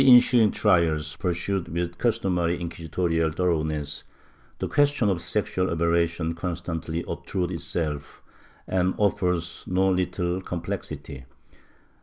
VJ FRANCISCA HERNANDEZ 9 In the ensuing trials, pursued with customary inquisitorial thoroughness, the question of sexual aberrations constantly ob trudes itself and offers no little complexity.